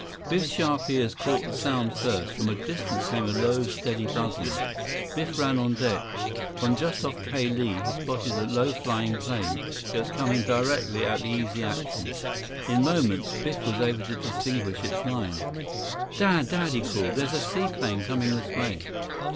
Biff's sharp ears caught the sound first. From a distance came a low, steady buzzing. Biff ran on deck. From just off Ka Lae, he spotted a low flying plane. It was coming directly at the Easy Action. In moments, Biff was able to distinguish its lines. "Dad, Dad!" he called. "There's a seaplane coming this way."